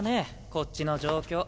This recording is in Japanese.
こっちの状況。